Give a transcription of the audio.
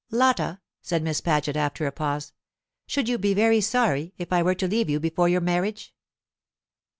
"Lotta," said Miss Paget, after a pause, "should you be very sorry if I were to leave you before your marriage?"